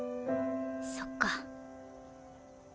そっか。